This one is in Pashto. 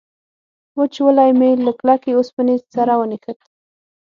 وچولی مې له کلکې اوسپنې سره ونښت.